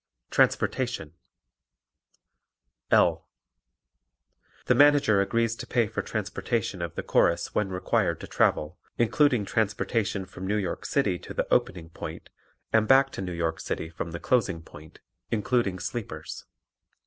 Transportation L. The Manager agrees to pay for transportation of the Chorus when required to travel, including transportation from New York City to the opening point and back to New York City from the closing point, including sleepers.